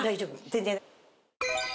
全然。